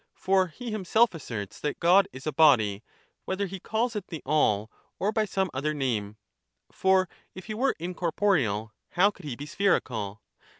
For he himself asserts that God is a body, whether he calls it the All or by some other name ; for if he were incorporeal, how could he be spherical